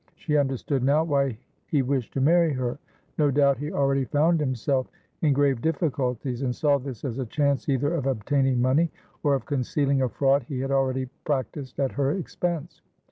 She understood now why he wished to marry her; no doubt he already found himself in grave difficulties, and saw this as a chance either of obtaining money, or of concealing a fraud he had already practised at her expense.